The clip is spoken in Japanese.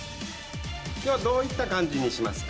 今日はどういった感じにしますか？